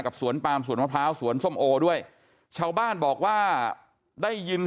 สวนปามสวนมะพร้าวสวนส้มโอด้วยชาวบ้านบอกว่าได้ยิน